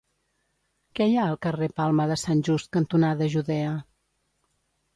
Què hi ha al carrer Palma de Sant Just cantonada Judea?